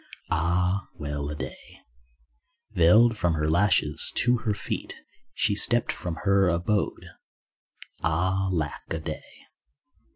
(Ah, well a day) Veiled from her lashes to her feet She stepped from her abode, (Ah, lack a day).